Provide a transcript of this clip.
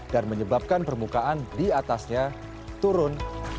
dan menyebabkan permukaan di atasnya turun